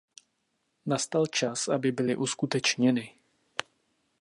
Nastal čas, aby byly uskutečněny.